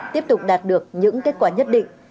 tiếp tục đạt được những kết quả nhất định